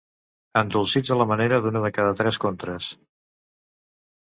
Endolcits a la manera d'una de cada tres Contres.